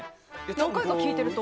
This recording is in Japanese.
何回か聞いてると。